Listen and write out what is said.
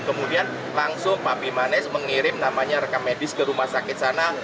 kemudian langsung pak bimanes mengirim namanya rekam medis ke rumah sakit sana